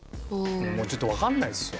もうちょっとわかんないですわ。